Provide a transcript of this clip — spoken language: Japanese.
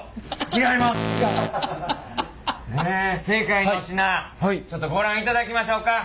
正解の品ちょっとご覧いただきましょうか。